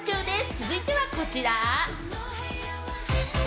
続いてはこちら。